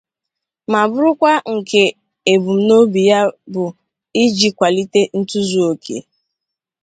ma bụrụkwa nke ebumnobi ya bụ iji kwàlite ntozuoke